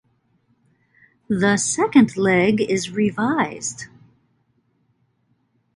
The second leg is revised.